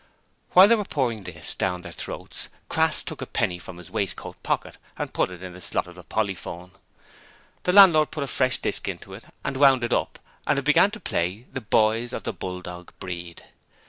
While they were pouring this down their throats, Crass took a penny from his waistcoat pocket and put it in the slot of the polyphone. The landlord put a fresh disc into it and wound it up and it began to play 'The Boys of the Bulldog Breed.'